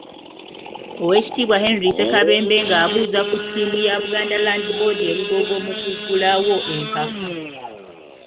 Oweekitiibwa Henry Ssekabembe ng'abuuza ku ttiimu ya Buganda Land Board e Lugogo mu kuggulawo empaka.